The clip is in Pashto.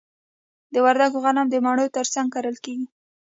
د وردګو غنم د مڼو ترڅنګ کرل کیږي.